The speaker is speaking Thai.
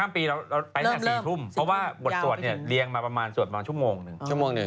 มีหนังสือสวดภนแจก